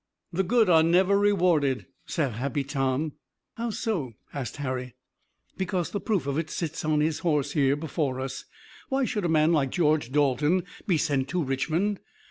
"The good are never rewarded," said Happy Tom. "How so?" asked Harry. "Because the proof of it sits on his horse here before us. Why should a man like George Dalton be sent to Richmond?